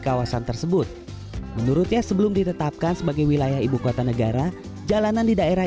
kawasan tersebut menurutnya sebelum ditetapkan sebagai wilayah ibu kota negara jalanan di daerah